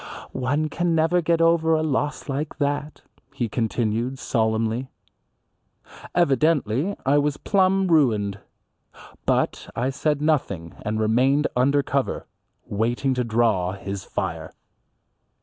"One can never get over a loss like that," he continued solemnly. Evidently I was plumb ruined. But I said nothing and remained under cover, waiting to draw his fire.